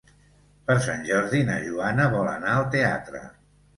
Per Sant Jordi na Joana vol anar al teatre.